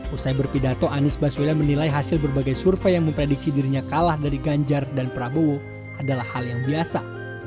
usai berpidato anies baswedan menilai hasil berbagai survei yang memprediksi dirinya kalah dari ganjar dan prabowo adalah hal yang biasa